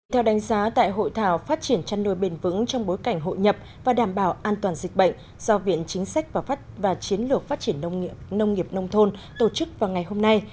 theo đánh giá tại hội thảo phát triển chăn nuôi bền vững trong bối cảnh hội nhập và đảm bảo an toàn dịch bệnh do viện chính sách và chiến lược phát triển nông nghiệp nông thôn tổ chức vào ngày hôm nay